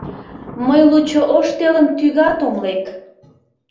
«Мый лучо ош телым тӱгат ом лек...»